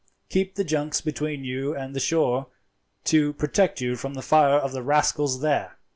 Keep the junks between you and the shore, to protect you from the fire of the rascals there."